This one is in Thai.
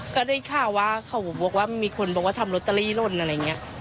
ก็ได้ข่าวว่าเขาบอกว่ามีคนบอกว่าทำลอตเตอรี่ล่นอะไรอย่างนี้